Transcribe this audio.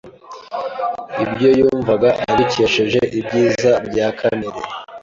Ibyo yumvaga abikesheje ibyiza bya kamere